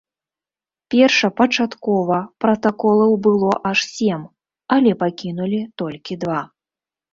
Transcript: Першапачаткова пратаколаў было аж сем, але пакінулі толькі два.